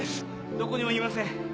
どこにもいません。